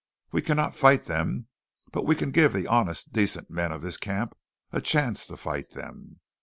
We cannot fight them; but we can give the honest, decent men of this camp a chance to fight them.